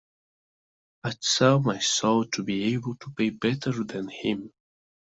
I’d sell my soul to be able to play better than him.